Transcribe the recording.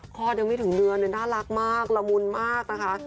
คลอดยังไม่ถึงเดือนน่ารักมากละมุนมากนะคะ